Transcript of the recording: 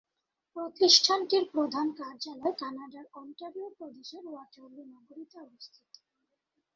প্রতিষ্ঠানটির প্রধান কার্যালয় কানাডার অন্টারিও প্রদেশের ওয়াটারলু নগরীতে অবস্থিত।